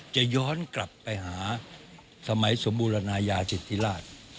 จะย้อนกลับไปหาสมัยสมบูรณายาสิทธิราช